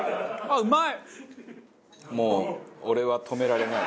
うまい。